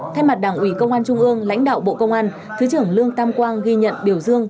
thay mặt đảng ủy công an trung ương lãnh đạo bộ công an thứ trưởng lương tam quang ghi nhận biểu dương